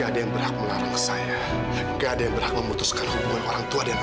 jangan jangan jangan